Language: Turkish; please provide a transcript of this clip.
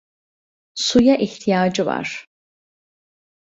Suya ihtiyacı var.